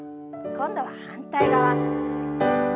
今度は反対側。